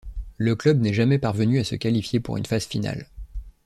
Le club n'est jamais parvenu à se qualifier pour une phase finale.